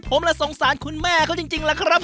ผมละสงสารคุณแม่เขาจริงอย่างหรอกครับ